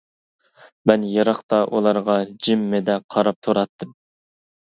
مەن يىراقتا ئۇلارغا جىممىدە قاراپ تۇراتتىم.